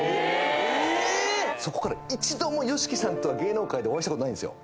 ええっそこから一度もＹＯＳＨＩＫＩさんとは芸能界でお会いしたことないんですよ